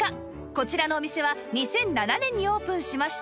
こちらのお店は２００７年にオープンしました